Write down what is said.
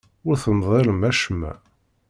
Ur temḍilem acemma.